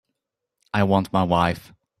I want my wife.